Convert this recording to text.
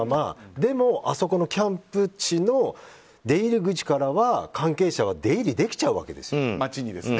でも、あそこのキャンプ地の出入り口からは関係者は街に出入りできちゃうわけですよ。